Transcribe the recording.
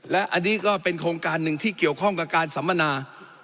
และอันนี้ก็เป็นโครงการหนึ่งที่เกี่ยวข้องกับการสัมมนา